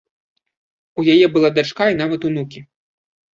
У яе была дачка і нават унукі.